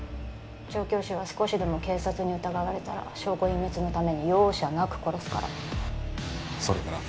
調教師は少しでも警察に疑われたら証拠隠滅のために容赦なく殺すからそれから？